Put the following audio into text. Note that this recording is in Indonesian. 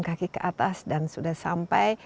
kaki ke atas dan sudah sampai